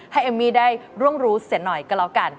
เอมมี่ได้ร่วงรู้เสียหน่อยก็แล้วกัน